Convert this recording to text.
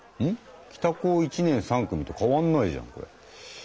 「北高１年３組」と変わんないじゃんこれ。